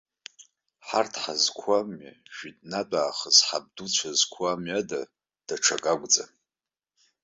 Ҳарҭ ҳазқәу амҩа, жәытәнатә аахыс ҳабдуцәа зқәу амҩа ада даҽакы акәӡам.